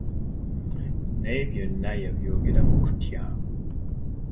Naye byonna yabyogera mu kutya.